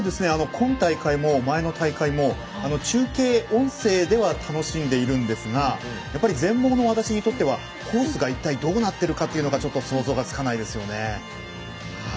今大会も前の大会も中継、音声では楽しんでいるんですがやっぱり全盲の私にとってはコースが一体どうなってるかというのが想像つかないですよね。